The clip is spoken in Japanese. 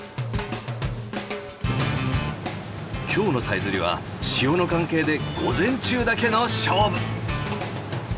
今日のタイ釣りは潮の関係で午前中だけの勝負！